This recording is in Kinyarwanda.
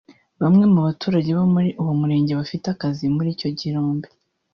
Bamwe mu baturage bo muri uwo murenge bafite akazi muri icyo kirombe